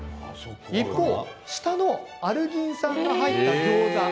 一方、下のアルギン酸が入ったギョーザ。